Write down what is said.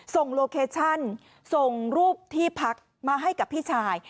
โลเคชั่นส่งรูปที่พักมาให้กับพี่ชาย